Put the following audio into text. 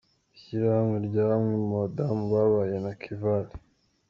– ishyirahamwe rya bamwe mu badamu babaye Nakivale.